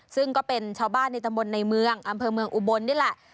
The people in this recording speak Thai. ซึ่งก็เป็นชาวบ้านในตำบลในเมืองอำเภอเมืองอุบลนี่แหละ